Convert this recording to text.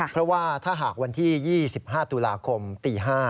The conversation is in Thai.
เพราะว่าถ้าหากวันที่๒๕ตุลาคมตี๕